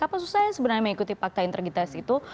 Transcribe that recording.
apa susahnya sebenarnya mengikuti fakta integritas itu